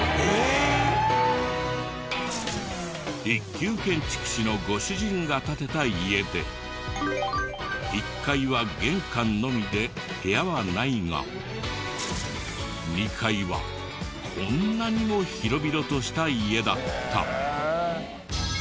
一級建築士のご主人が建てた家で１階は玄関のみで部屋はないが２階はこんなにも広々とした家だった。